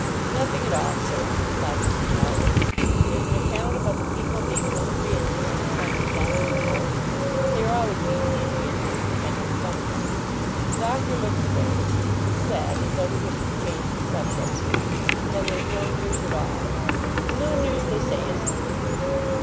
'Nothing at all, sir,' replied Mr. Maldon. 'There's an account about the people being hungry and discontented down in the North, but they are always being hungry and discontented somewhere.' The Doctor looked grave, and said, as though he wished to change the subject, 'Then there's no news at all; and no news, they say, is good news.